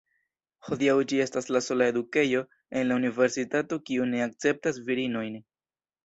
Hodiaŭ ĝi estas la sola edukejo en la universitato kiu ne akceptas virinojn.